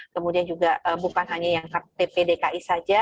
kemudian juga bukan hanya yang ktp dki saja